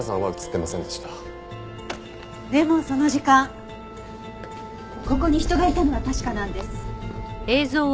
でもその時間ここに人がいたのは確かなんです。